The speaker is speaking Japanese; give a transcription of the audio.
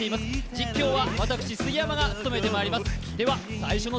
実況は私、杉山が務めてまいります。